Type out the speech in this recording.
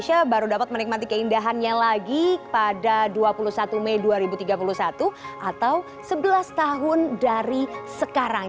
indonesia baru dapat menikmati keindahannya lagi pada dua puluh satu mei dua ribu tiga puluh satu atau sebelas tahun dari sekarang